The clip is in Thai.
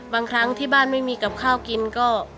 ครั้งที่บ้านไม่มีกับข้าวกินก็